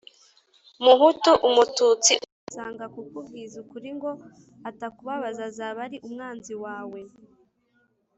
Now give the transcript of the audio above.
Muhutu, umututsi uzanga kukubwiza ukuri ngo atakubabaza, azaba ari umwanzi wawe.